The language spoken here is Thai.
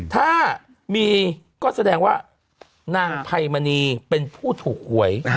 ถ้ามีก็แสดงว่านางไพมณีเป็นผู้ถูกหวย